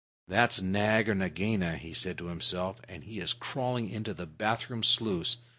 "That's Nag or Nagaina," he said to himself, "and he is crawling into the bath room sluice.